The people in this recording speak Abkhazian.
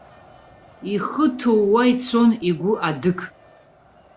Ихы ҭыууа ицон, игәы адық.